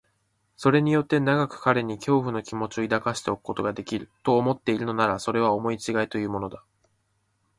それによって長く彼に恐怖の気持を抱かせておくことができる、と思っているのなら、それは思いちがいというものだ。